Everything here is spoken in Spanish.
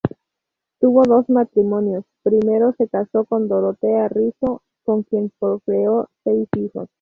Tuvo dos matrimonios, primero se casó con Dorotea Rizo, con quien procreó seis hijos.